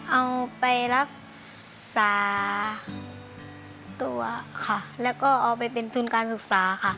เอาไปรักษาตัวค่ะแล้วก็เอาไปเป็นทุนการศึกษาค่ะ